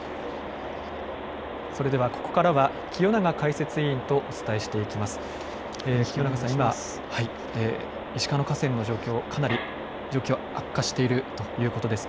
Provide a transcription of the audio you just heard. それではここからは清永解説委員とお伝えしていきます。